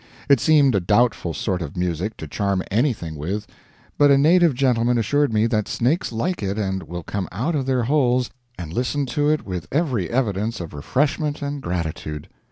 It seemed a doubtful sort of music to charm anything with, but a native gentleman assured me that snakes like it and will come out of their holes and listen to it with every evidence of refreshment and gratitude.